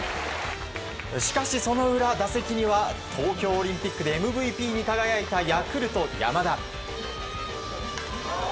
しかしその裏打席には東京オリンピックでＭＶＰに輝いたヤクルト山田。